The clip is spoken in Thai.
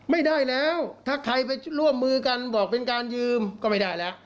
ไม่ได้แล้วถ้าใครไปร่วมมือกันบอกเป็นการยืมก็ไม่ได้แล้ว